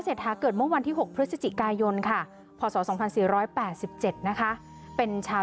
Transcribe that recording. หาเกิดเมื่อวันที่๖พฤศจิกายนค่ะพศ๒๔๘๗นะคะเป็นชาว